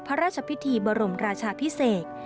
พระราชพิธีบรมราชาพิเศษ